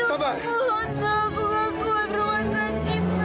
aduh tolong dong aku mau ke rumah sakit dong